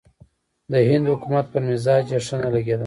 د هند حکومت پر مزاج یې ښه نه لګېدل.